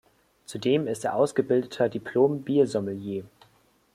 Zudem ist er ausgebildeter Diplom-Biersommelier.